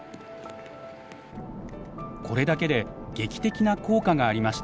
これだけで劇的な効果がありました。